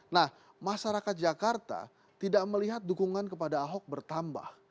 nah masyarakat jakarta tidak melihat dukungan kepada ahok bertambah